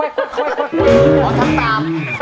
อ๋อทำตาม